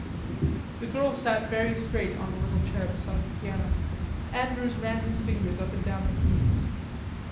The girl sat very straight on a little chair beside the piano. Andrews ran his fingers up and down the keys.